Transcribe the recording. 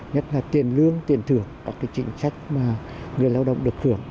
nhất là tiền lương tiền thưởng các cái chính trách mà người lao động được thưởng